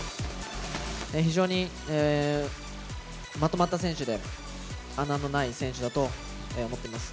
非常にまとまった選手で、穴のない選手だと思ってます。